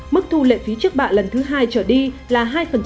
mức thu lệ phí trước bạ lần thứ hai trở đi là hai